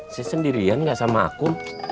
saya sendirian gak sama aku